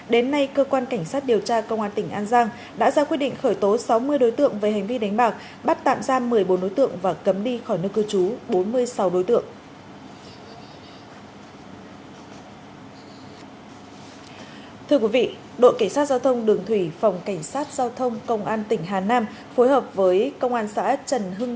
đến nay cơ quan cảnh sát điều tra công an tỉnh an giang đã ra quyết định khởi tố sáu mươi đối tượng về hành vi đánh bạc bắt tạm ra một mươi bốn đối tượng và cấm đi khỏi nước cư trú bốn mươi sáu đối tượng